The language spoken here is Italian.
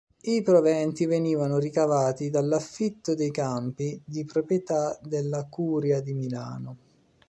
I proventi venivano ricavati dall'affitto dei campi di proprietà della Curia di Milano.